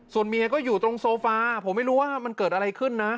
ส่วนเมียก็อยู่ตรงโซฟาผมไม่รู้ว่ามันเกิดอะไรขึ้นนะ